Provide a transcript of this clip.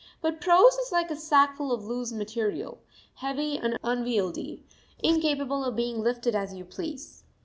But prose is like a sackful of loose material, heavy and unwieldy, incapable of being lifted as you please.